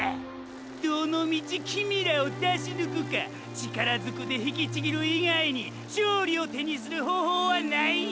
⁉どのみちキミィらを出しぬくか力ずくで引きちぎる以外に勝利を手にする方法はないんやから！！